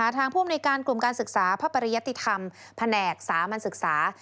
ทางผู้อำนวยการกลุ่มการศึกษาพระปริยติธรรมแผนกสามัญศึกษา